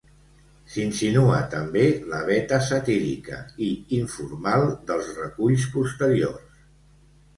S'hi insinua també la veta satírica i informal dels reculls posteriors.